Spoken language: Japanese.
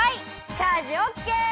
チャージオッケー！